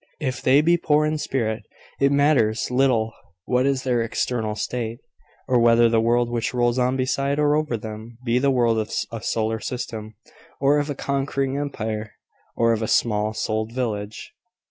If they be poor in spirit, it matters little what is their external state, or whether the world which rolls on beside or over them be the world of a solar system, or of a conquering empire, or of a small souled village.